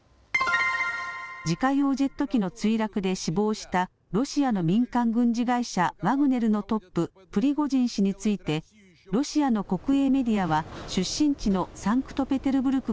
自家用ジェット機の墜落で死亡したロシアの民間軍事会社、ワグネルのトップ、プリゴジン氏についてロシアの国営メディアは出身地のサンクトペテルブルク